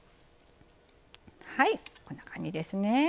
はいこんな感じですね。